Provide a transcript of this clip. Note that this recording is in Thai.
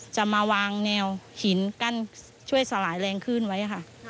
จะมาวางแนวหินกั้นช่วยสลายแรงขึ้นไว้ค่ะ